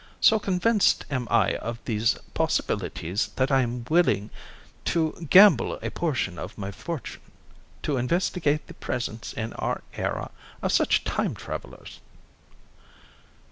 So convinced am I of these possibilities that I am willing to gamble a portion of my fortune to investigate the presence in our era of such time travelers."